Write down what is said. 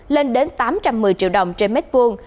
lên đến tám trăm một mươi triệu đồng trên mét vuông